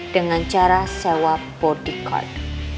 dengan cara sewa bodyguard